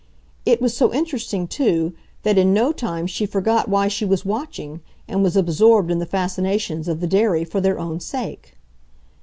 It was so interesting, too, that in no time she forgot why she was watching, and was absorbed in the fascinations of the dairy for their own sake.